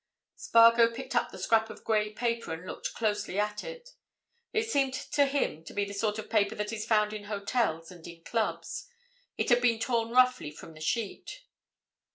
Spargo picked up the scrap of grey paper and looked closely at it. It seemed to him to be the sort of paper that is found in hotels and in clubs; it had been torn roughly from the sheet.